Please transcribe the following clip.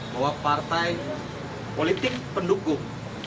bahwa partai politik pendukung